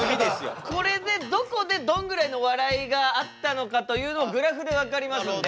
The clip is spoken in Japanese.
これでどこでどんぐらいの笑いがあったのかというのをグラフで分かりますんで。